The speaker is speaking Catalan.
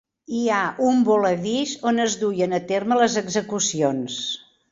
Hi ha un voladís on es duien a terme les execucions.